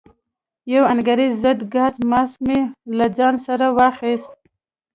یو انګریزي ضد ګاز ماسک مې له ځان سره واخیست.